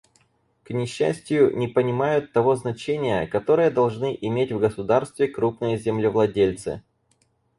К несчастию, не понимают того значения, которое должны иметь в государстве крупные землевладельцы.